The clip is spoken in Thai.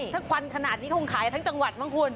ถ้าควันขนาดนี้คงขายทั้งจังหวัดมั้งคุณ